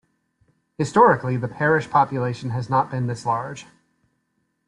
Historically the parish population has not been this large.